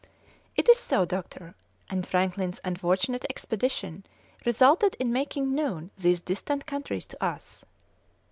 "It is so, doctor; and Franklin's unfortunate expedition resulted in making known these distant countries to us."